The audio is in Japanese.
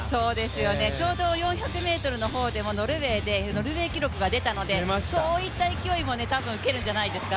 ちょうど４００ｍの方でもノルウェーでノルウェー記録が出たのでそういった勢いも受けるんじゃないですか？